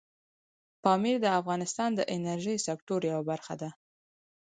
پامیر د افغانستان د انرژۍ سکتور یوه برخه ده.